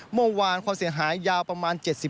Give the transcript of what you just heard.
เมื่อวานความเสียหายยาวประมาณ๗๐